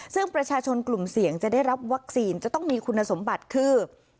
ซึ่งประชาชนกลุ่มเสี่ยงจะได้รับวัคซีนจะต้องมีคุณสมบัติคือ